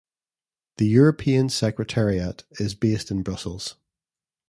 The European Secretariat is based in Brussels.